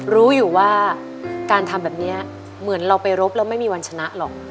รู้อยู่ว่าการทำแบบนี้เหมือนเราไปรบแล้วไม่มีวันชนะหรอก